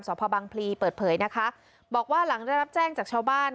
พบังพลีเปิดเผยนะคะบอกว่าหลังได้รับแจ้งจากชาวบ้าน